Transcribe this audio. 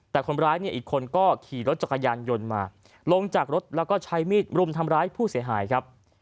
แต่คนร้ายเนี่ยอีกคนก็ขี่รถจักรยานยนต์มาลงจากรถแล้วก็ใช้มีดรุมทำร้ายผู้เสียหายครับ